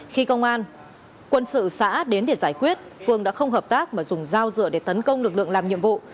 khi công an quân sự xã đến để giải quyết phương đã không hợp tác mà dùng dao dựa để tấn công lực lượng làm nhiệm vụ